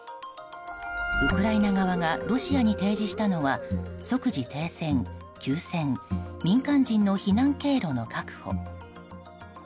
ウクライナ側がロシアに提示したのは即時停戦、休戦民間人の避難経路の確保。